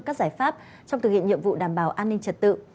các giải pháp trong thực hiện nhiệm vụ đảm bảo an ninh trật tự